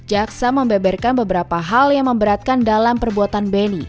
jaksa membeberkan beberapa hal yang memberatkan dalam perbuatan benny